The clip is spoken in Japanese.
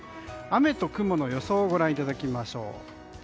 雨と雲の予想をご覧いただきましょう。